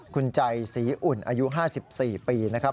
คุณใจศรีอุ่นอายุ๕๔ปีนะครับ